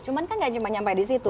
cuman kan nggak cuma nyampe disitu